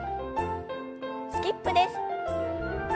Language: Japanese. スキップです。